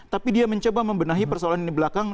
tapi dia mencoba membenahi persoalan lini belakang